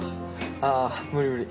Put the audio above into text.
あぁ無理無理。